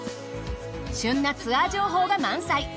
旬なツアー情報が満載！